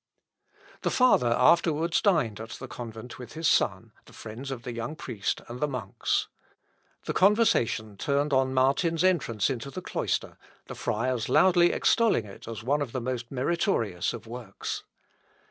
" Luth. Op. xvi, (Walch.) 1144. The father afterwards dined at the convent with his son, the friends of the young priest and the monks. The conversation turned on Martin's entrance into the cloister, the friars loudly extolling it as one of the most meritorious of works.